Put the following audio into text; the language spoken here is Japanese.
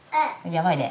やばいね。